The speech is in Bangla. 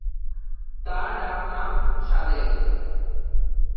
তার ডাক নাম সাদেক।